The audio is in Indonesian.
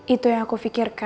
itu yang aku pikirkan